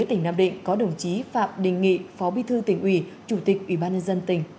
tỉnh nam định có đồng chí phạm đình nghị phó bi thư tỉnh uy chủ tịch ubnd tỉnh